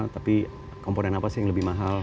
tapi komponen apa sih yang lebih mahal